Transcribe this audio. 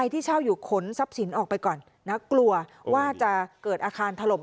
ที่เช่าอยู่ขนทรัพย์สินออกไปก่อนนะกลัวว่าจะเกิดอาคารถล่ม